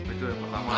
itu yang pertama